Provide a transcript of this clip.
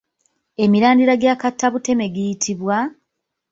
Emirandira gya kattabuteme giyitibwa?